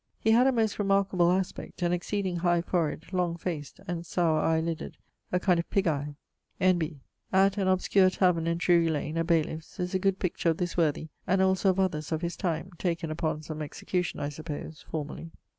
He had a most remarkeable aspect, an exceeding high forehead, long faced, and sour eie lidded, a kind of pigge eie. N.B. At ... an obscure taverne, in Drury lane (a bayliff's), is a good picture of this worthy, and also of others of his time; taken upon some execution (I suppose) formerly.